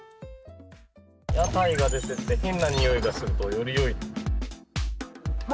屋台が出てて変なにおいがするとよりよい。